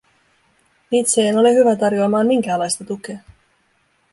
Itse en ole hyvä tarjoamaan minkäänlaista tukea;